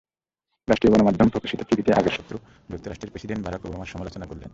রাষ্ট্রীয় গণমাধ্যমে প্রকাশিত চিঠিতে আগের শত্রু যুক্তরাষ্ট্রের প্রেসিডেন্ট বারাক ওবামার সমালোচনা করলেন।